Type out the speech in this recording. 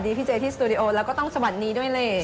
ในสตูดิโอแล้วก็ต้องสวัสดีด้วยเลย